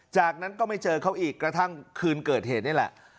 จากนั้นก็ไม่เจอเขาอีกกระทั่งคืนเกิดเหตุนี่แหละ